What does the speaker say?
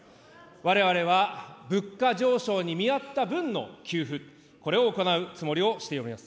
われわれは物価上昇に見合った分の給付、これを行うつもりをしております。